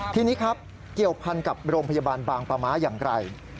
ทีนี้ครับเกี่ยวพันกับโรงพยาบาลบางปะม้าอย่างไร